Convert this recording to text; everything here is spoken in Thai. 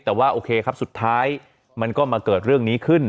แต่ว่าโอเคครับสุดท้ายมันก็มาเกิดเรื่องนี้ขึ้น